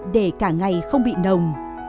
để cả ngày không bị nồng